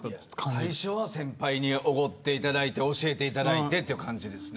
最初は先輩におごっていただいて教えてもらってという感じです。